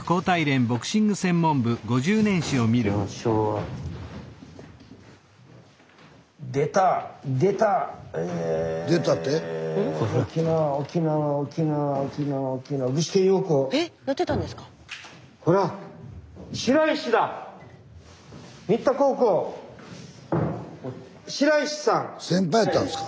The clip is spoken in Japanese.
スタジオ先輩やったんですか？